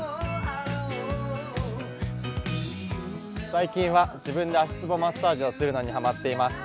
最近は自分で足つぼマッサージをするのにハマっています。